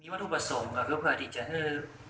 วัตถุผสมกับความผิดจริงเฉย